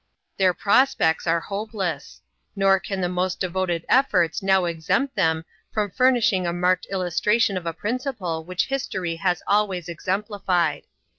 Their prospects are hopeless. Nor can the most devoted efforts now exempt them from furnishing a marked illustration of a principle which history has always exemplified.